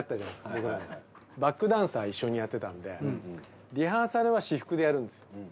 バックダンサー一緒にやってたんでリハーサルは私服でやるんですよ。